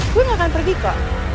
gue gak akan pergi kok